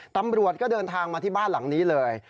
ตำรวจก็เดินทางมาที่บ้านหลังนี้เลย